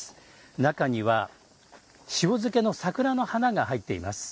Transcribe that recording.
中には、塩漬けの桜の花が入っています。